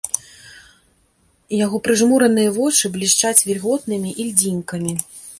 Яго прыжмураныя вочы блішчаць вільготнымі ільдзінкамі.